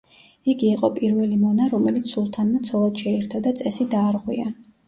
იგი იყო პირველი მონა, რომელიც სულთანმა ცოლად შეირთო და წესი დაარღვია.